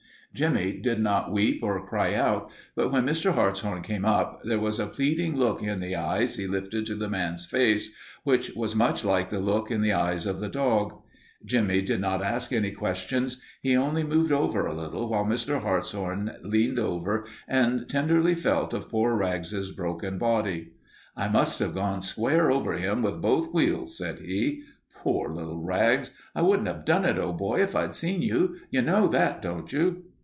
Jimmie did not weep or cry out, but when Mr. Hartshorn came up, there was a pleading look in the eyes he lifted to the man's face which was much like the look in the eyes of the dog. Jimmie did not ask any questions. He only moved over a little while Mr. Hartshorn leaned over and tenderly felt of poor Rags's broken body. "I must have gone square over him with both wheels," said he. "Poor little Rags! I wouldn't have done it, old boy, if I'd seen you. You know that, don't you?"